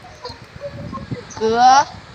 格罗索立功啦！